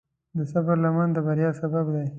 د صبر لمن د بریا سبب دی.